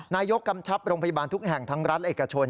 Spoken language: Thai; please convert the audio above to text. นายกกำชับโรงพยาบาลทุกแห่งทั้งรัฐเอกชน